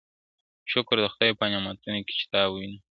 شکر د خدای په نعموتو کي چي تا وينم